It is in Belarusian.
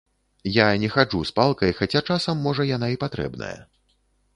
Я не хаджу з палкай, хаця часам можа яна і патрэбная.